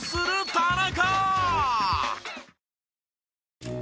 田中！